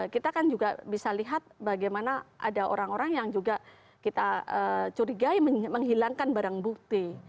kita kan juga bisa lihat bagaimana ada orang orang yang juga kita curigai menghilangkan barang bukti